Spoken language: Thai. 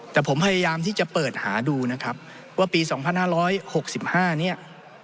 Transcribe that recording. แต่ผมพยายามที่จะเปิดหาดูนะครับว่าปี๒๕๖๕เนี่ย